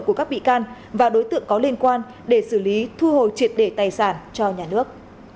của các bị can và đối tượng có liên quan để xử lý thu hồi triệt để tài sản cho nhà nước